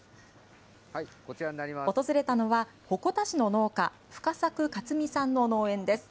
訪れたのは、鉾田市の農家、深作勝己さんの農園です。